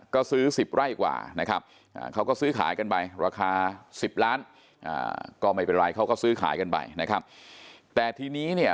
ก็ซื้อ๑๐ไร่กว่านะครับเขาก็ซื้อขายกันไปราคา๑๐ล้านก็ไม่เป็นไร